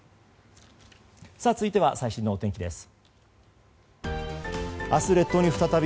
続いては最新のお天気です。